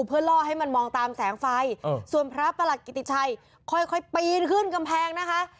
เพื่อล่อให้มันมองตามแสงไฟส่วนพระประหลัดกิติชัยค่อยปีนขึ้นกำแพงนะคะ